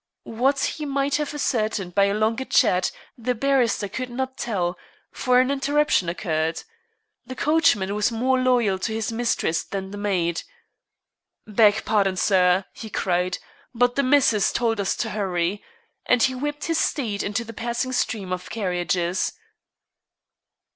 What he might have ascertained by a longer chat the barrister could not tell, for an interruption occurred. The coachman was more loyal to his mistress than the maid. "Beg pardon, sir," he cried, "but the missus told us to hurry"; and he whipped his steed into the passing stream of carriages.